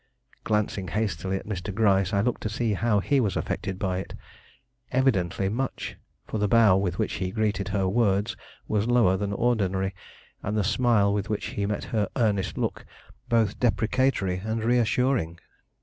Glancing hastily at Mr. Gryce, I looked to see how he was affected by it. Evidently much, for the bow with which he greeted her words was lower than ordinary, and the smile with which he met her earnest look both deprecatory and reassuring.